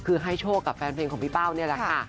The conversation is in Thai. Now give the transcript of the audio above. คือให้โชคกับแฟนเพลงของพี่เป้านี่แหละค่ะ